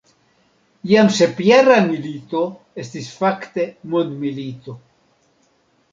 Jam sepjara milito estis fakte mondmilito.